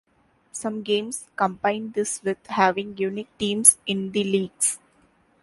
Some games combine this with having unique teams in the leagues.